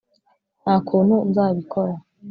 nta kuntu nzabikora